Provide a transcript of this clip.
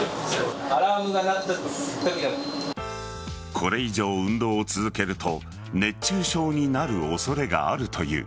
これ以上運動を続けると熱中症になる恐れがあるという。